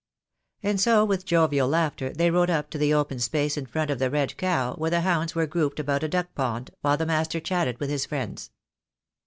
And so with jovial laughter they rode up to the open space in front of the "Red Cow," where the hounds were grouped about a duck pond, while the master chatted with his friends.